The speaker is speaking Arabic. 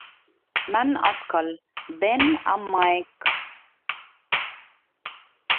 من أثقل بِن أم مايك؟